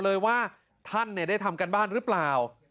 เลยว่าท่านได้ทำการบ้านหรือเปล่า